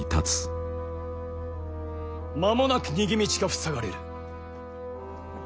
間もなく逃げ道が塞がれる。